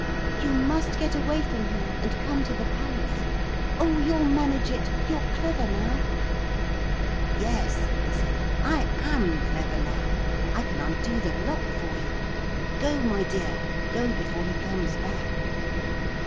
You must get away from here, and come to the palace. Oh, you'll manage it you're clever now.' 'Yes,' he said, 'I am clever now. I can undo the lock for you. Go, my dear, go before he comes back.'